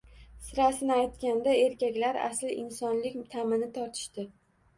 Sirasini aytganda, erkaklar asl insonlik ta’mini totishdi